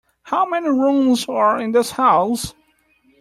How many rooms are in this house?